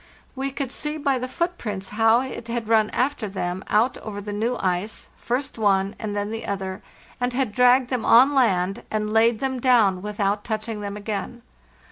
We could see by the footprints how it had run after them out over the new ice, first one and then the other, and had dragged them on land, and laid them down without touching them again.